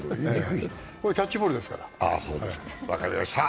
これ、キャッチボールですから。